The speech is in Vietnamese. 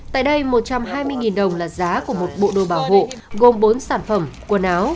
tại đây một trăm hai mươi đồng là giá của một bộ đồ bảo hộ gồm bốn sản phẩm quần áo